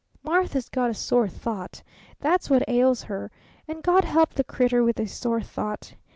Martha's got a sore thought. That's what ails her. And God help the crittur with a sore thought!